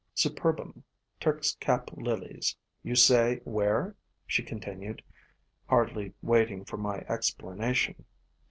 "Superbum, Turk's Cap Lilies, you say — where?" she continued, hardly waiting for my explanation.